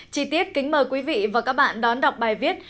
chi tiết kính mời quý vị và các bạn đón đọc bài viết